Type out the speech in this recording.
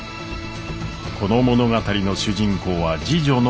この物語の主人公は次女の暢子。